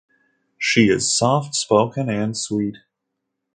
She is soft-spoken and sweet.